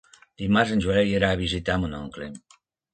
Dimarts en Joel irà a visitar mon oncle.